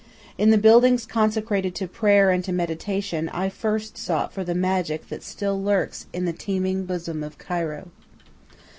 In the buildings consecrated to prayer and to meditation I first sought for the magic that still lurks in the teeming bosom of Cairo.